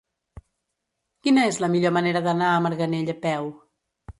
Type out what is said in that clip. Quina és la millor manera d'anar a Marganell a peu?